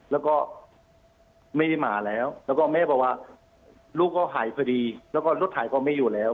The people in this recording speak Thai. แล้วก็ไม่ได้มาแล้วแล้วก็แม่บอกว่าลูกก็หายพอดีแล้วก็รถหายก็ไม่อยู่แล้ว